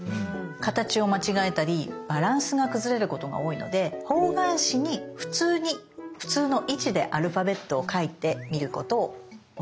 形を間違えたりバランスが崩れることが多いので方眼紙に普通に普通の位置でアルファベットを描いてみることをおすすめします。